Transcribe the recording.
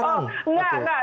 oh enggak enggak